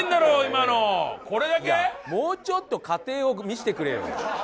いやもうちょっと過程を見せてくれよ。